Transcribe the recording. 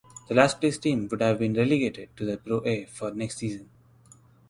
The last placed team would have been relegated to the ProA for next season.